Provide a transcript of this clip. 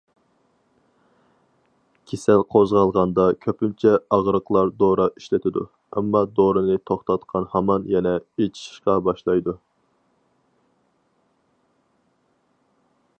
كېسەل قوزغالغاندا كۆپىنچە ئاغرىقلار دورا ئىشلىتىدۇ، ئەمما دورىنى توختاتقان ھامان يەنە ئېچىشىشقا باشلايدۇ.